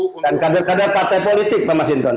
dan kader kader partai politik pak mas hinton